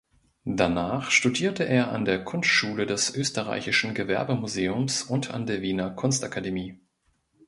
Danach studierte er an der Kunstschule des österreichischen Gewerbemuseums und an der Wiener Kunstakademie.